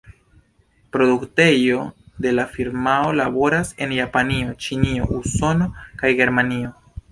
Produktejoj de la firmao laboras en Japanio, Ĉinio, Usono kaj Germanio.